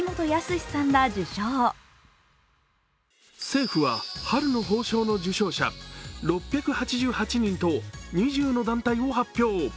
政府は、春の褒章の受章者６８８人と２０の団体を発表。